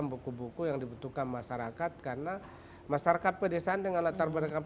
buku buku yang dibutuhkan masyarakat karena masyarakat pedesaan dengan latar belakang